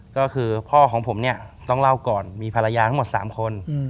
ก็คือพ่อของผมเนี่ยต้องเล่าก่อนมีภรรยาทั้งหมด๓คน